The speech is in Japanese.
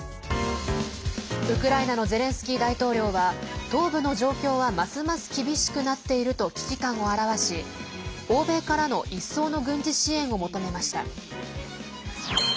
ウクライナのゼレンスキー大統領は東部の状況は、ますます厳しくなっていると危機感を表し欧米からの一層の軍事支援を求めました。